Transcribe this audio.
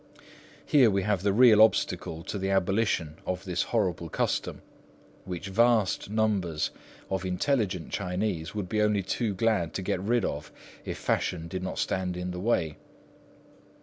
Here we have the real obstacle to the abolition of this horrible custom, which vast numbers of intelligent Chinese would be only too glad to get rid of, if fashion did not stand in the way.